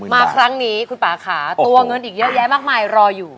มาครั้งนี้คุณป่าค่ะตัวเงินอีกเยอะแยะมากมายรออยู่